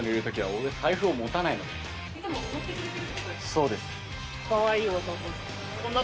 そうです。